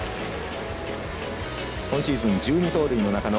今シーズン、１２盗塁の中野。